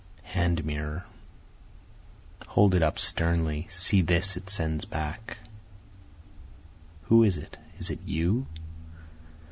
A Hand Mirror Hold it up sternly see this it sends back, (who is it? is it you?)